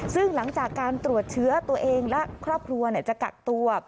ซึ่งหลังจากการตรวจเชื้อตัวเองและครอบครัวจะกักตัว